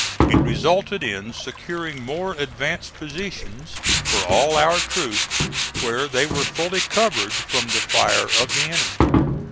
It resulted in securing more advanced positions for all our troops where they were fully covered from the fire of the enemy.